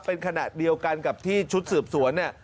เป็นขณะเดียวกันกับที่ชุดสืบสวนเนี่ย